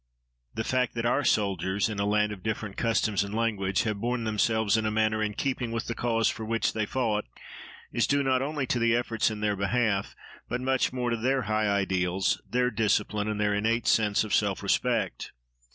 The fact that our soldiers, in a land of different customs and language, have borne themselves in a manner in keeping with the cause for which they fought, is due not only to the efforts in their behalf, but much more to their high ideals, their discipline, and their innate sense of self respect.